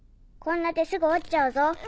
こんな手すぐ折っちゃうぞ。